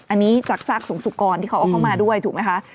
อันนี้จากซากสูงสุกรที่เขาเอาเข้ามาด้วยถูกไหมคะ